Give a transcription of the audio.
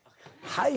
「はい」